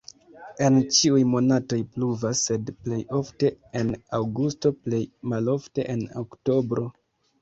En ĉiuj monatoj pluvas, sed plej ofte en aŭgusto, plej malofte en oktobro.